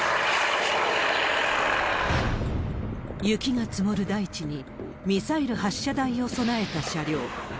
雪が積もる大地に、ミサイル発射台を備えた車両。